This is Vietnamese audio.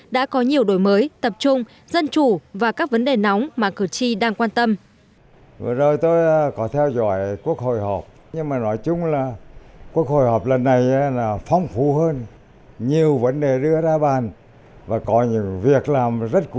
đã có nhiều đổi mới tập trung dân chủ và các vấn đề nóng mà cử tri đang quan tâm